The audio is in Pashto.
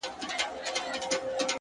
داسي ژوند هم راځي تر ټولو عزتمن به يې؛